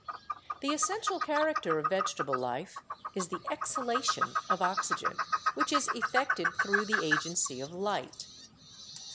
The essential character of vegetable life is the exhalation of oxygen, which is effected through the agency of light.